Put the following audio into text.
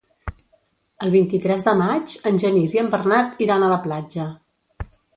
El vint-i-tres de maig en Genís i en Bernat iran a la platja.